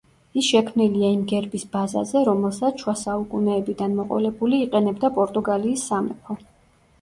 ის შექმნილია იმ გერბის ბაზაზე რომელსაც, შუა საუკუნეებიდან მოყოლებული, იყენებდა პორტუგალიის სამეფო.